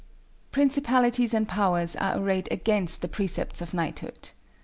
Principalities and powers are arrayed against the Precepts of Knighthood.